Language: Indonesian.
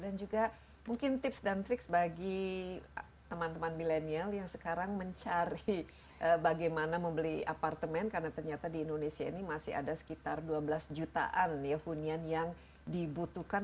nah kita mulai dari bagaimana membeli apartemen karena ternyata di indonesia ini masih ada sekitar dua belas jutaan ya hunian yang dibutuhkan